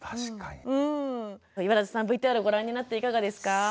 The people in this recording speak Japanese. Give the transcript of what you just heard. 岩立さんＶＴＲをご覧になっていかがですか？